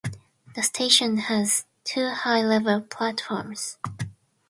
The station has two high-level platforms.